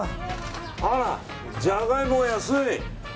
あら、ジャガイモも安い！